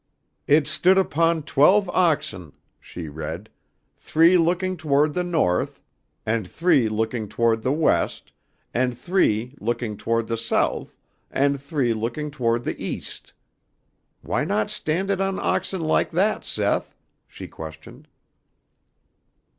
"It stood upon twelve oxen," she read, "three looking toward the north, and three looking toward the west and three looking toward the south and three looking toward the east. Why not stand it on oxen like that, Seth?" she questioned.